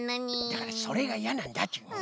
だからそれがいやなんだっちゅうの。